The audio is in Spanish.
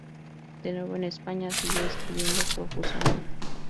De nuevo en España, siguió escribiendo profusamente.